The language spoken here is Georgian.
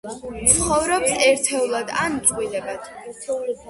ცხოვრობს ერთეულებად ან წყვილებად.